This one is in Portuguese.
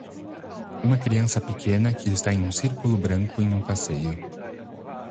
Uma criança pequena que está em um círculo branco em um passeio.